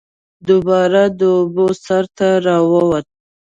دوباره د اوبو سر ته راووت